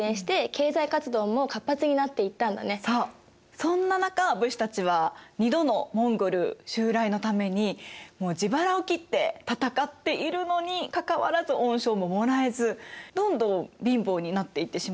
そんな中武士たちは２度のモンゴル襲来のために自腹を切って戦っているのにかかわらず恩賞ももらえずどんどん貧乏になっていってしまいますよね。